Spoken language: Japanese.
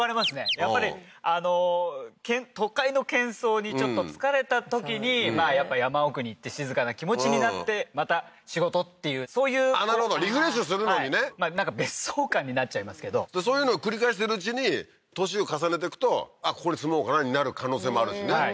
やっぱり都会のけん騒にちょっと疲れたときにやっぱ山奥に行って静かな気持ちになってまた仕事っていうそういうあっなるほどリフレッシュするのにね別荘感になっちゃいますけどでそういうのを繰り返してるうちに年を重ねてくとあっここに住もうかなになる可能性もあるしねはい